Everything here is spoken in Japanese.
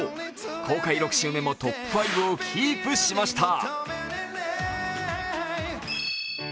公開６週目もトップ５をキープしました。